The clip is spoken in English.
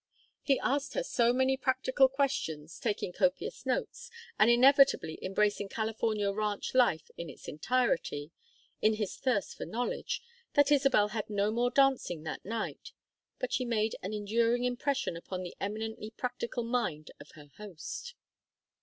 He asked her so many practical questions, taking copious notes, and inevitably embracing California ranch life in its entirety, in his thirst for knowledge, that Isabel had no more dancing that night; but she made an enduring impression upon the eminently practical mind of her host.